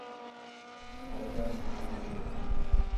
فائدہ، نقصان بھی ہتھین